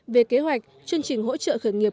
về kế hoạch chương trình hỗ trợ khởi nghiệp